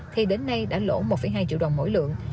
thì đến nay đã lỗ một hai triệu đồng mỗi lượng